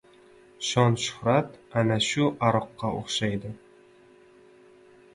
Shon-shuhrat ana shu aroqqa o‘xshaydi.